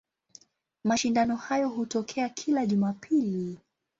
Mashindano hayo hutokea kila Jumapili.